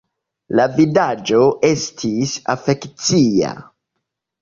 La vidaĵo estis afekcia!